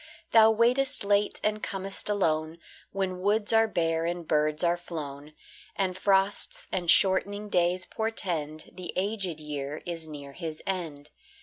Thou waitest late and com'st alone, When woods are bare and birds are flown, And frosts and shortening days portend The aged year is near his end.